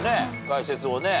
解説をね。